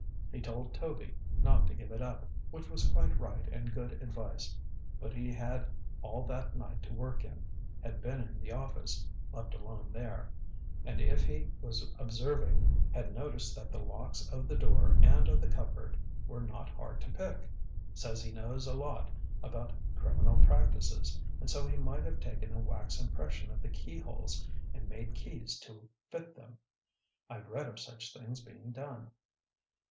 He told Toby not to give it up, which was quite right and good advice. But he had all that night to work in. Had been in the office left alone there and if he was observing had noticed that the locks of the door and of the cupboard were not hard to pick. Says he knows a lot about criminal practices and so he might have taken a wax impression of the keyholes and made keys to fit them. I've read of such things being done.